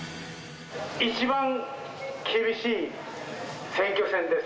一番厳しい選挙戦です。